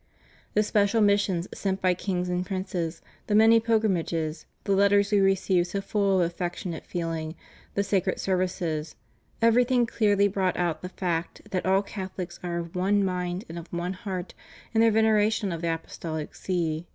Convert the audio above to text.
The special missions sent by kings and princes, the many pilgrimages, the letters We received so full of affectionate feeling, the sacred services — everything clearly brought out the fact that all Catholics are of one mind and of one heart in their veneration for the Apostolic See.